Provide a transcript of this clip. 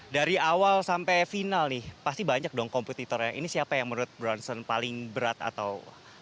dari awal sampai final nih pasti banyak dong kompetitornya ini siapa yang menurut bronson paling berat atau